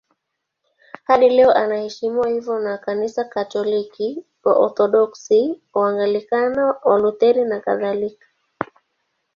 Hadi leo anaheshimiwa hivyo na Kanisa Katoliki, Waorthodoksi, Waanglikana, Walutheri nakadhalika.